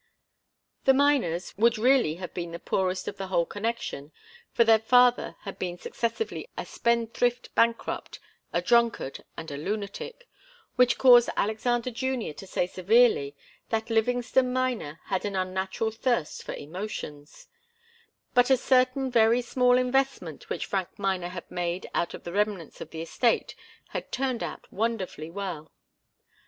The Miners would really have been the poorest of the whole connection, for their father had been successively a spendthrift bankrupt, a drunkard and a lunatic, which caused Alexander Junior to say severely that Livingston Miner had an unnatural thirst for emotions; but a certain very small investment which Frank Miner had made out of the remnants of the estate had turned out wonderfully well.